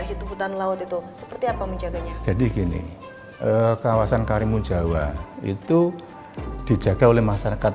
hidup hutan laut itu seperti apa menjaganya jadi gini kawasan karimun jawa itu dijaga oleh masyarakat